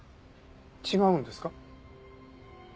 違うんですか？